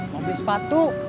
mau beli sepatu